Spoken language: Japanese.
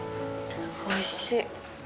おいしい。